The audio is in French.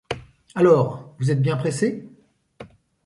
Alors vous êtes bien pressé ?